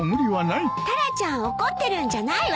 タラちゃん怒ってるんじゃないわよ。